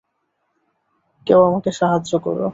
কেউ আমাকে সাহায্য করো!